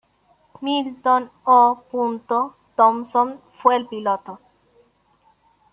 Milton O. Thompson fue el piloto.